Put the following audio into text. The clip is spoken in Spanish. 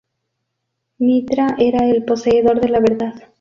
Mitra era el poseedor de la verdad.